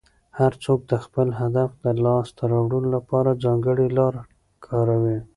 هر څوک د خپل هدف د لاسته راوړلو لپاره ځانګړې لاره کاروي.